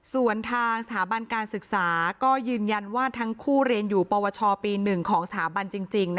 ส่วนทางสถาบันการศึกษาก็ยืนยันว่าทั้งคู่เรียนอยู่ปวชปี๑ของสถาบันจริง